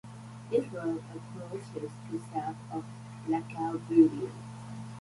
This road approaches to south of "Lac au Bouleau".